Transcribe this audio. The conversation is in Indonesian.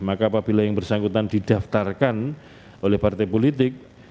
maka apabila yang bersangkutan didaftarkan oleh partai politik